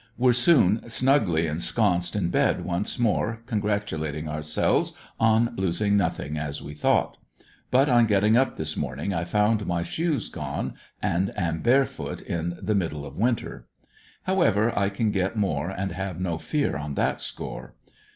Were soon snugly ensconced in bed once more congratulat ing ourselves on losing nothing as we thought But on getting up this morning I found my shoes gone and am barefoot in the mid dle of winter. However I can get more and have no fear on that score.